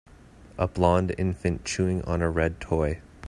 A blond infant chewing on a red toy.